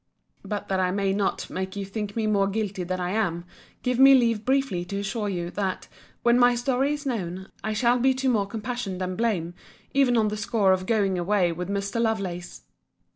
But that I may not make you think me more guilty than I am, give me leave briefly to assure you, that, when my story is known, I shall be to more compassion than blame, even on the score of going away with Mr. Lovelace.